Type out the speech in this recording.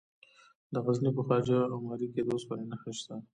د غزني په خواجه عمري کې د اوسپنې نښې شته.